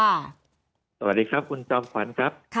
สวัสดีครับคุณจอมขวัญครับ